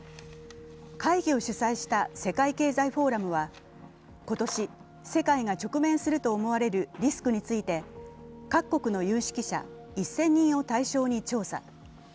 会議を主催した世界経済フォーラムは今年、世界が直面すると思われるリスクについて各国の有識者１０００人を対象に調査。